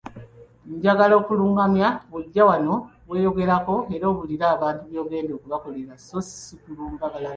Njagala okulungamya, bw'ojja wano, weeyogereko era obuulire n’abantu by'ogenda okubakolera so ssi kulumba balala.